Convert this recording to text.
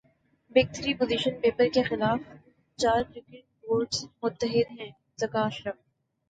big three position paper کے خلاف چار کرکٹ بورڈز متحد ہیںذکا اشرف